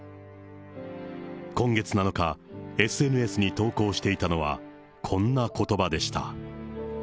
今月７日、ＳＮＳに投稿していたのは、こんなことばでした。